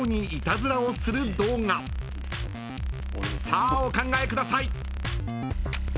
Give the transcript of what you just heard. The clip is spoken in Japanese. ［さあお考えください］